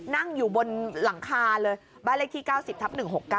นั่งอยู่บนหลังคาเลยบ้านเลขที่๙๐ทับ๑๖๙